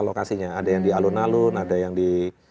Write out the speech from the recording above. lokasinya ada yang di alun alun ada yang di